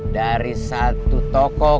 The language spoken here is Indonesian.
dari satu toko ke toko yang lain